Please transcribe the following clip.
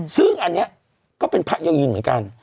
ซึ่งอันนี้ก็เป็นพระเยาวยีนเหมือนกัน